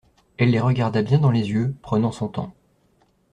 Elle les regarda bien dans les yeux, prenant son temps.